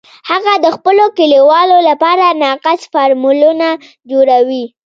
هغه د خپلو کلیوالو لپاره ناقص فارمولونه جوړوي